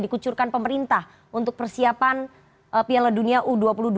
dikucurkan pemerintah untuk persiapan piala dunia u dua puluh dua ribu dua puluh tiga